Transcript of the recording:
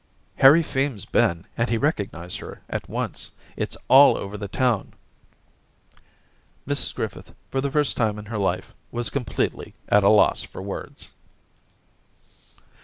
* Harry Feme's been, and he recognised her at once. It's all over the town.' Mrs Griffith, for the first time in her life, was completely at a loss for words.